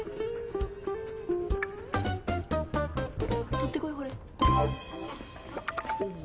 取ってこいほれ。